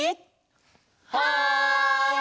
はい！